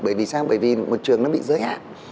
bởi vì sao bởi vì một trường nó bị giới hạn